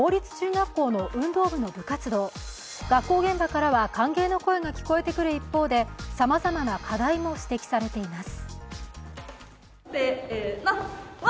学校現場からは歓迎の声が聞こえてくる一方でさまざまな課題も指摘されています。